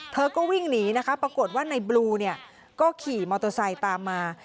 เธอก็วิ่งหนีนะคะปรากฏว่าในบลูเนี่ยก็ขี่มอเตอร์ไซค์ตามมา